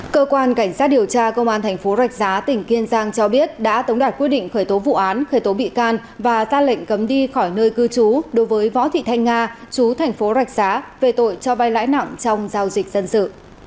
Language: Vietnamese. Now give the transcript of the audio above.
cơ quan cảnh sát điều tra công an thành phố rạch giá tỉnh kiên giang cho biết đã tống đạt quyết định khởi tố vụ án khởi tố bị can và ra lệnh cấm đi khỏi nơi cư trú đối với võ thị thanh nga chú thành phố rạch giá về tội cho vai lãi nặng trong giao dịch dân sự